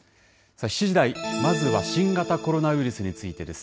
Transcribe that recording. ７時台、まずは新型コロナウイルスについてです。